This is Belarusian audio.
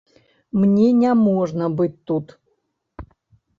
Мне няможна быць тут.